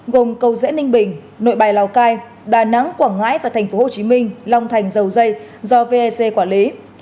gồm cầu dễ ninh bình nội bài lào cai đà nẵng quảng ngãi và tp hcm long thành dầu dây do vec quản lý